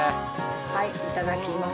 はいいただきます。